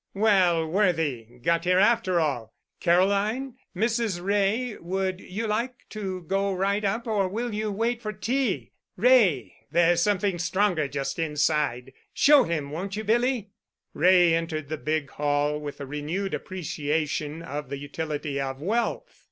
"Well, Worthy! Got here after all! Caroline, Mrs. Wray, would you like to go right up or will you wait for tea? Wray, there's something stronger just inside. Show him, won't you, Billy?" Wray entered the big hall with a renewed appreciation of the utility of wealth.